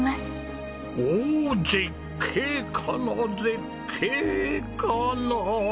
おお絶景かな絶景かな。